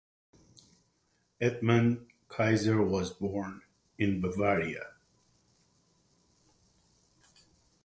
Edmund Kayser was born in Bavaria.